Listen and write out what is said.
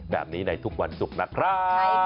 แบบนี้ในทุกวันสุขนะครับ